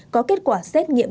có kết quả xét nghiệm